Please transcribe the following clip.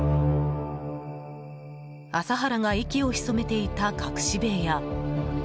麻原が息を潜めていた隠し部屋。